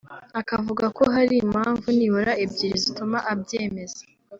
akavuga ko hari impamvu nibura ebyiri zituma abyemeza